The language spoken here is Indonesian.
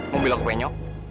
mau bilang kepenyok